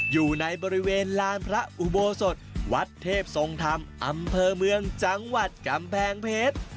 อยู่ในบริเวณลานพระอุโบสถวัดเทพทรงธรรมอำเภอเมืองจังหวัดกำแพงเพชร